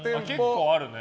結構あるね。